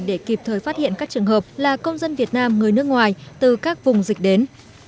để kịp thời phát hiện các trường hợp là công dân việt nam người nước ngoài từ các vùng dịch đến